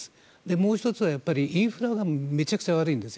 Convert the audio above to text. もう１つはインフラがめちゃくちゃ悪いです。